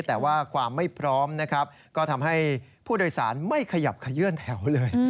แต่ว่าความไม่พร้อมนะครับก็ทำให้ผู้โดยสารไม่ขยับขยื่นแถวเลย